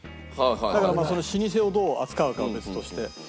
だからまあ老舗をどう扱うかは別として。